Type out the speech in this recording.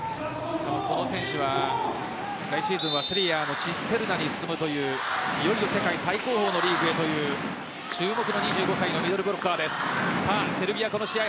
この選手は来シーズンセリエＡのチームに進むという世界最高峰のリーグへという注目の２５歳のミドルブロッカーです。